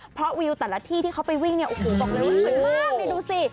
เพราะวิวแต่ละที่ที่เขาไปวิ่งเนี่ยโอ้โหบอกเลยว่าสวยมากนี่ดูสิ